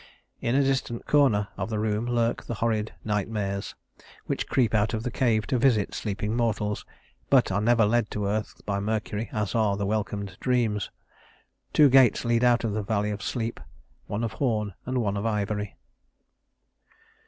In a distant corner of the room lurk the horrid Nightmares, which creep out of the cave to visit sleeping mortals, but are never led to earth by Mercury, as are the welcomed Dreams. Two gates lead out of the valley of sleep, one of horn and one of ivory.